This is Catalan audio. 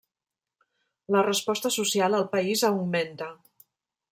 La resposta social al país augmenta.